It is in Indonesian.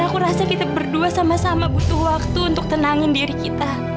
dan aku rasa kita berdua sama sama butuh waktu untuk tenangin diri kita